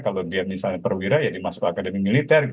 kalau dia misalnya perwira ya dimasuk akademi militer